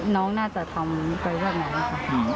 น้องน่าจะทำไปแบบนั้นนะคะ